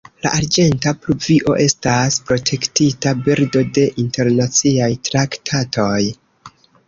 La arĝenta pluvio estas protektita birdo de internaciaj traktatoj.